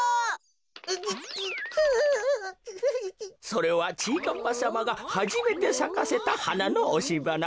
それはちぃかっぱさまがはじめてさかせたはなのおしばな。